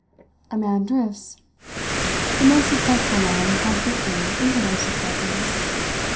A man drifts. The most successful men have drifted into their successes.